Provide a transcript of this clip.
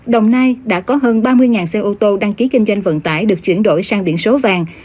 đồng nai đã có hơn ba mươi xe ô tô đăng ký kinh doanh vận tải được chuyển đổi sang biển số vàng